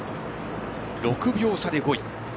６秒差で５位。